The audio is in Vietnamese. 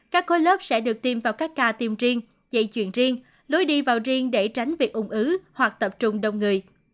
các khối lớp sẽ được tiêm vào các ca tiêm riêng dạy chuyện riêng lối đi vào riêng để tránh việc ung ứ hoặc tập trung đông người